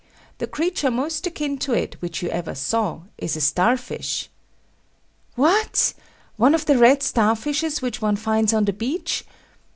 The creature most akin to it which you ever saw is a star fish. What! one of the red star fishes which one finds on the beach?